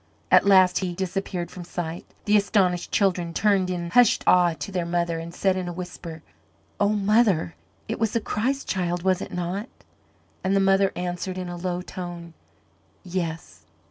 At last he disappeared from sight. The astonished children turned in hushed awe to their mother, and said in a whisper, "Oh, mother, it was the Christ Child, was it not?" And the mother answered in a low tone, "Yes."